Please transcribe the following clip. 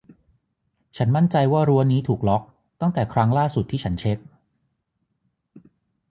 ฉันมั่นใจว่ารั้วนี้ถูกล็อคตั้งแต่ครั้งล่าสุดที่ฉันเช็ค